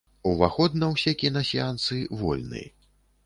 Уваход на ўсе кінасеансы вольны.